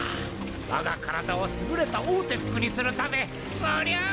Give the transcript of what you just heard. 我が体を優れたオーテックにするためそりゃあ